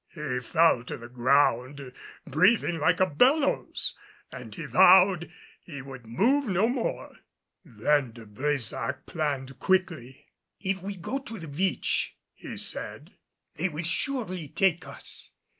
He fell to the ground, breathing like a bellows, and vowed he would move no more. Then De Brésac planned quickly. "If we go to the beach," he said, "they will surely take us.